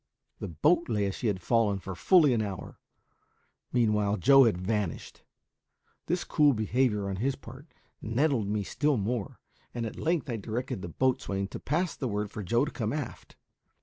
The boat lay as she had fallen for fully an hour; meanwhile Joe had vanished. This cool behaviour on his part nettled me still more; and at length I directed the boatswain to pass the word for Joe to come aft.